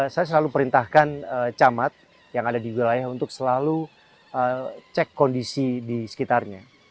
saya selalu perintahkan camat yang ada di wilayah untuk selalu cek kondisi di sekitarnya